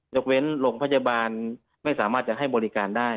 ยกเว้นโรงพยาบาลไม่สามารถจะให้บริการได้